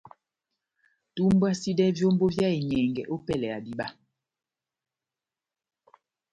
Tumbwasidɛ vyómbo vyá enyɛngɛ opɛlɛ ya diba.